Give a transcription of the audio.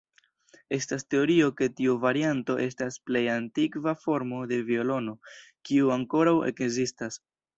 Estas teorio ke tiu varianto estas plej antikva formo de violono kiu ankoraŭ ekzistas.